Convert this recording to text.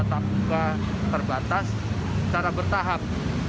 kepala sekolah juga terbatas secara bertahap